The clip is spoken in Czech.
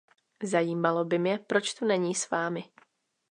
Zajímalo by mě, proč tu není s vámi.